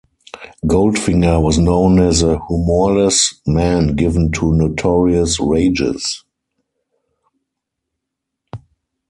Goldfinger was known as a humourless man given to notorious rages.